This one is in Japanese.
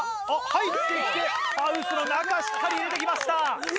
入って来てハウスの中しっかり入れて来ました！